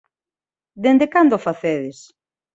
Dende cando o facedes?